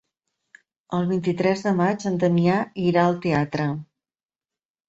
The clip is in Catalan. El vint-i-tres de maig en Damià irà al teatre.